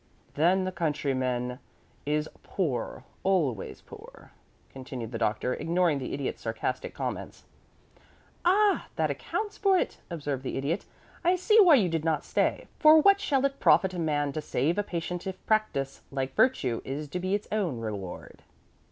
"Then the countryman is poor always poor," continued the Doctor, ignoring the Idiot's sarcastic comments. "Ah! that accounts for it," observed the Idiot. "I see why you did not stay; for what shall it profit a man to save a patient if practice, like virtue, is to be its own reward?"